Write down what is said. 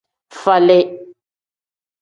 Falii.